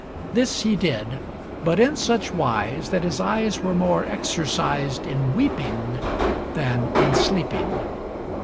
This he did, but in such wise that his eyes were more exercised in weeping than in sleeping.